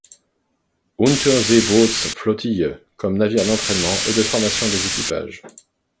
Unterseebootsflottille comme navire d'entraînement et de formation des équipages.